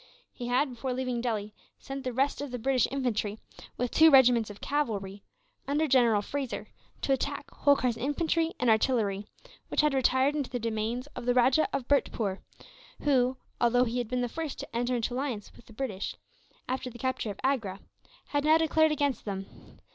He had, before leaving Delhi, sent the rest of the British infantry, with two regiments of cavalry, under General Fraser, to attack Holkar's infantry and artillery; which had retired into the dominions of the Rajah of Bhurtpoor who, although he had been the first to enter into alliance with the British, after the capture of Agra, had now declared against them.